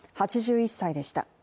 ８１歳でした。